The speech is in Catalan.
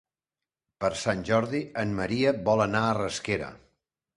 Per Sant Jordi en Maria vol anar a Rasquera.